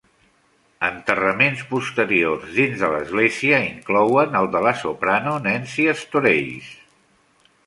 Enterraments posteriors dins de l'església inclouen el de la soprano Nancy Storace.